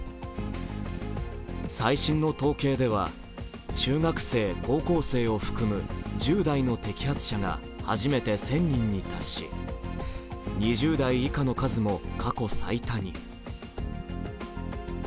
最新の統計では中学生・高校生を含む１０代の摘発者が初めて１０００人に達し２０代以下の数も過去最多に。